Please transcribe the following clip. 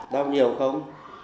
đau nhiều không